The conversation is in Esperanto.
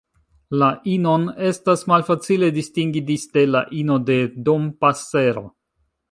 La inon estas malfacile distingi disde la ino de Dompasero.